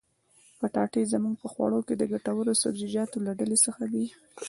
پټاټې زموږ په خوړو کښي د ګټورو سبزيجاتو له ډلي څخه دي.